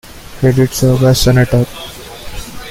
He did serve as senator.